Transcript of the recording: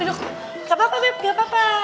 tidak apa beb tidak apa beb tidak apa apa